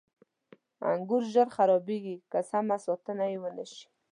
• انګور ژر خرابېږي که سمه ساتنه یې ونه شي.